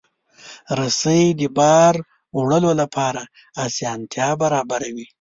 رسۍ د بار وړلو لپاره اسانتیا برابروي.